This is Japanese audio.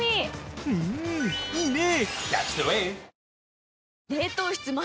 んいいね！